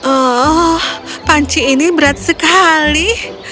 oh panci ini berat sekali